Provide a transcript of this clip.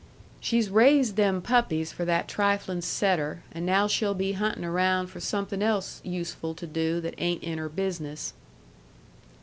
"She's raised them puppies for that triflin' setter, and now she'll be huntin' around for something else useful to do that ain't in her business."